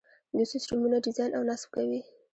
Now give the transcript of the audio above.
دوی سیسټمونه ډیزاین او نصب کوي.